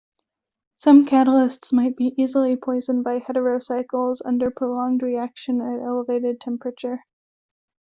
Some catalysts might be easily poisoned by heterocycles under prolonged reaction at elevated temperature.